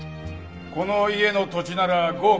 この家の土地なら５億？